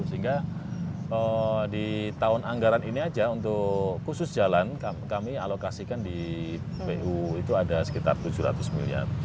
sehingga di tahun anggaran ini aja untuk khusus jalan kami alokasikan di pu itu ada sekitar tujuh ratus miliar